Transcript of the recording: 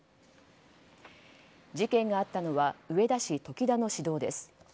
事件があったのは上田市常田の市道です。